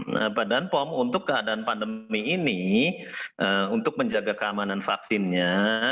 nah badan pom untuk keadaan pandemi ini untuk menjaga keamanan vaksinnya